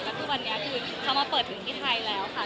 แล้วทุกวันนี้คือเขามาเปิดถึงที่ไทยแล้วค่ะ